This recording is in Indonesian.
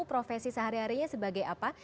profesi sehari harinya sebagai apa